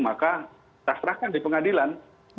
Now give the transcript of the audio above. maka sastrakan di pengadilan